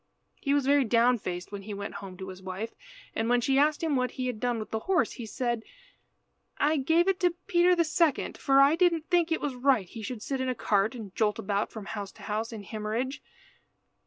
He was very down faced when he went home to his wife, and when she asked him what he had done with the horse, he said "I gave it to Peter the second, for I didn't think it was right he should sit in a cart and jolt about from house to house in Himmerige.